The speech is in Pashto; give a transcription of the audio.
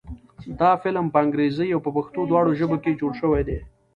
دا فلم په انګريزۍ او پښتو دواړو ژبو کښې جوړ شوے دے